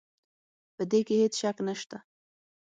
په دې کې هيڅ شک نشته